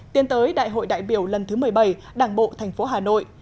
tiến tới đại hội đại biểu lần thứ một mươi bảy đảng bộ thành phố hà nội